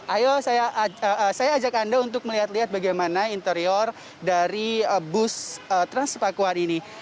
ayo saya ajak anda untuk melihat lihat bagaimana interior dari bus transpakuan ini